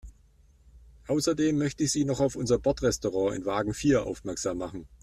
Außerdem möchte ich Sie noch auf unser Bordrestaurant in Wagen vier aufmerksam machen.